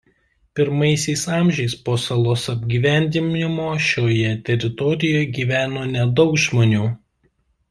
Pirmaisiais amžiais po salos apgyvendinimo šioje teritorijoje gyveno nedaug žmonių.